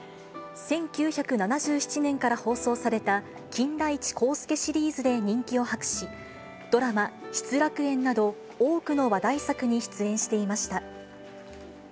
１９７７年から放送された金田一耕助シリーズで人気を博し、ドラマ、失楽園など、多くの話題作に出演していました。